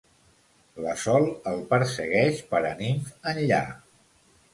La Sol el persegueix paranimf enllà.